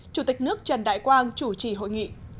chủ tịch nước trần đại quang chủ trì hội nghị